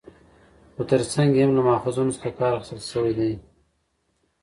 خو تر څنګ يې هم له ماخذونو څخه کار اخستل شوى دى